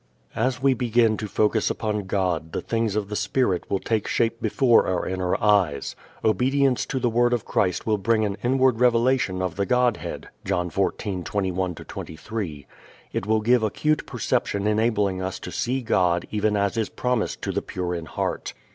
As we begin to focus upon God the things of the spirit will take shape before our inner eyes. Obedience to the word of Christ will bring an inward revelation of the Godhead (John 14:21 23). It will give acute perception enabling us to see God even as is promised to the pure in heart.